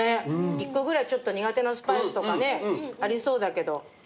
１個ぐらいちょっと苦手なスパイスとかありそうだけど。